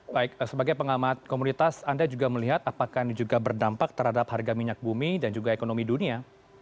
baik sebagai pengamat komunitas anda juga melihat apakah ini juga berdampak terhadap harga minyak bumi dan juga ekonomi dunia